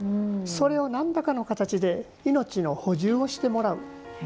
それを何らかの形で命の補充をしてもらう。